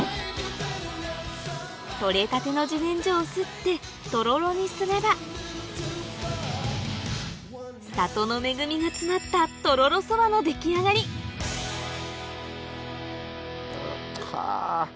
取れたての自然薯をすってとろろにすれば里の恵みが詰まったとろろそばの出来上がりカァ！